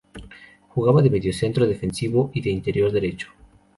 Jugaba de mediocentro defensivo y de interior derecho.